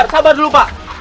sabar dulu pak